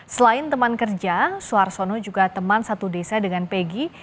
selain teman kerja suarsono juga teman satu desa dengan pegi